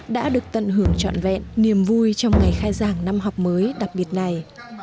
đã được tận hưởng trọn vẹn niềm vui trong ngày khai giảng năm học mới đặc biệt này